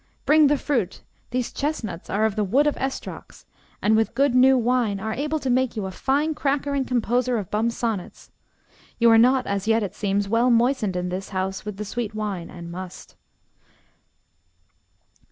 Bring the fruit. These chestnuts are of the wood of Estrox, and with good new wine are able to make you a fine cracker and composer of bum sonnets. You are not as yet, it seems, well moistened in this house with the sweet wine and must.